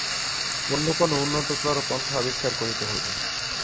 অন্য কোন উন্নততর পন্থা আবিষ্কার করিতে হইবে।